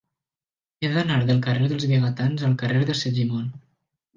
He d'anar del carrer dels Vigatans al carrer de Segimon.